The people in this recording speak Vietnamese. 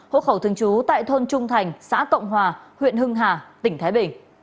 hộ khẩu thường trú tại thôn trung thành xã cộng hòa huyện hưng hà tỉnh thái bình